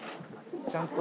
ちゃんと。